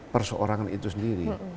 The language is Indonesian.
perseorang itu sendiri